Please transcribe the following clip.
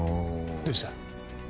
どうした？